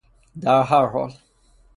در هر حال